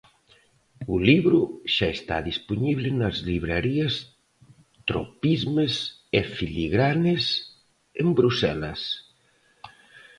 O libro xa está dispoñible nas librarías Tropismes e Filigranes en Bruxelas.